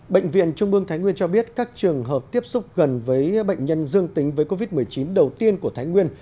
bệnh viện trung mương thái nguyên cho biết các trường hợp tiếp xúc gần với bệnh nhân dương tính với covid một mươi chín đầu tiên của thái nguyên